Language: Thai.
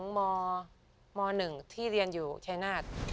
ม๑ที่เรียนอยู่ชายนาฏ